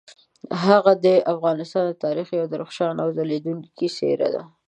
هغه د افغانستان د تاریخ یوه درخشانه او ځلیدونکي څیره ده.